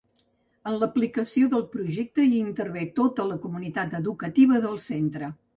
En l’aplicació del projecte hi intervé tota la comunitat educativa del centre.